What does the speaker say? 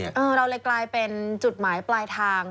เราเลยกลายเป็นจุดหมายปลายทาง